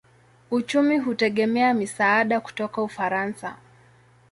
Uchumi hutegemea misaada kutoka Ufaransa.